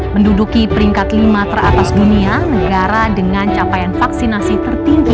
menduduki peringkat lima teratas dunia negara dengan capaian vaksinasi tertinggi